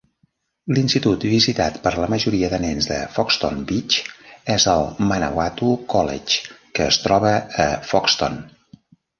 L'Institut visitat per la majoria de nens de Foxton Beach és el Manawatu College, que es troba a Foxton.